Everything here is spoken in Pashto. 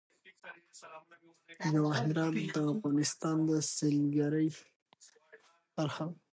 جواهرات د افغانستان د سیلګرۍ برخه ده.